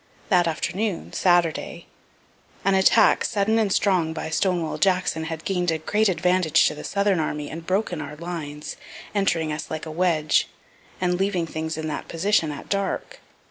That afternoon (Saturday) an attack sudden and strong by Stonewall Jackson had gain'd a great advantage to the southern army, and broken our lines, entering us like a wedge, and leaving things in that position at dark.